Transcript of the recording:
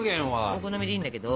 お好みでいいんだけど。